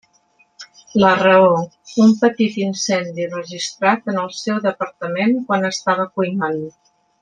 La raó: un petit incendi registrat en el seu departament quan estava cuinant.